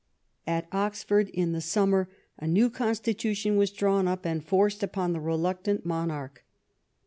At Oxford, in the summer, a new constitu tion was drawn up and forced upon tlie reluctant monarch.